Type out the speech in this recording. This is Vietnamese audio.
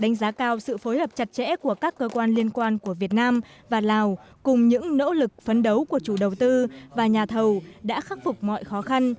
đánh giá cao sự phối hợp chặt chẽ của các cơ quan liên quan của việt nam và lào cùng những nỗ lực phấn đấu của chủ đầu tư và nhà thầu đã khắc phục mọi khó khăn